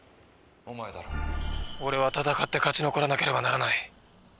俺は戦って勝ち残らなければならない。